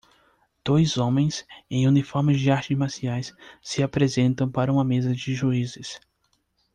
Dois homens em uniformes de artes marciais se apresentam para uma mesa de juízes